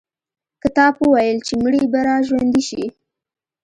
کتاب وویل چې مړي به را ژوندي شي.